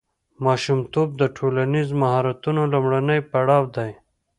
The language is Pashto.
ماشومتوب د ټولنیز مهارتونو لومړنی پړاو دی.